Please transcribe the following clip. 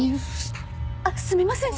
あっすみません。